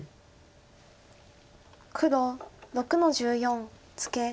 黒６の十四ツケ。